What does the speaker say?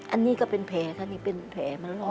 อันนี้ก็เป็นแผ่ค่ะนี่เป็นแผ่มาลง